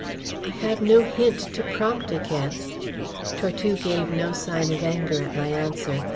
"I have no hint to prompt a guess." Tortue gave no sign of anger at my answer.